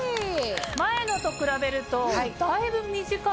前のと比べるとだいぶ短い。